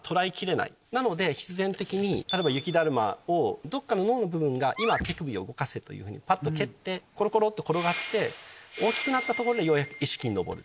なので必然的に例えば雪だるまをどっかの脳の部分が「今手首を動かせ」というふうにパッと蹴ってコロコロと転がって大きくなったところでようやく意識に上る。